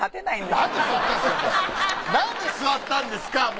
なんで座ったんですか！